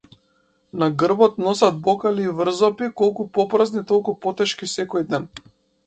На грбот носат бокали и врзопи, колку попразни толку потешки секој ден.